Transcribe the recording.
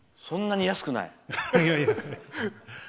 そんなに安くない？